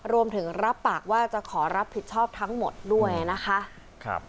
รับปากว่าจะขอรับผิดชอบทั้งหมดด้วยนะคะ